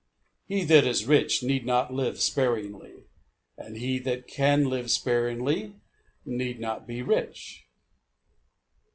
He that is rich need not live sparingly, and he that can live sparingly need not be rich.